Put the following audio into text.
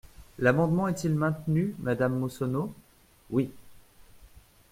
L’amendement est-il maintenu, madame Massonneau ? Oui.